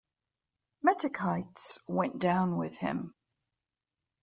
Metochites went down with him.